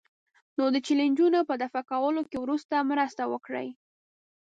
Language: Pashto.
نو د چیلنجونو په دفع کولو کې ورسره مرسته وکړئ.